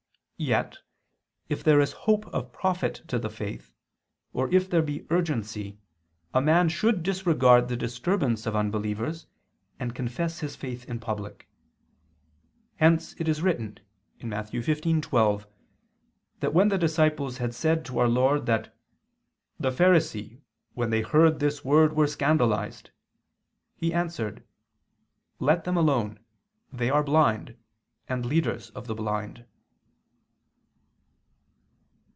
Yet, if there is hope of profit to the faith, or if there be urgency, a man should disregard the disturbance of unbelievers, and confess his faith in public. Hence it is written (Matt. 15:12) that when the disciples had said to Our Lord that "the Pharisee, when they heard this word, were scandalized," He answered: "Let them alone, they are blind, and leaders of the blind."